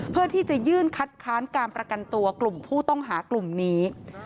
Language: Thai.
เพื่อที่จะยื่นคัดค้านการประกันตัวกลุ่มผู้ต้องหากลุ่มนี้